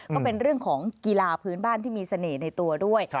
ก็เป็นเรื่องของกีฬาพื้นบ้านที่มีเสน่ห์ในตัวด้วย